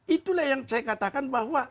itulah yang saya katakan bahwa